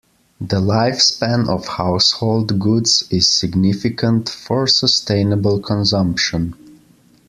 The life span of household goods is significant for sustainable consumption.